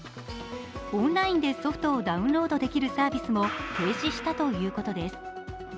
オンラインでソフトをダウンロードできるサービスも停止したということです。